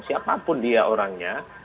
siapapun dia orangnya